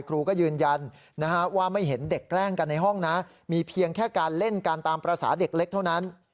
ครูก็ยืนยันว่าไม่เห็นเด็กแกล้งกันในห้องนะมีเพียงแค่การเล่นกันตามภาษาเด็กเล็กเท่านั้น